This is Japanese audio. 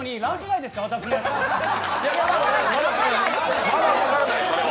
まだ分からない、それは。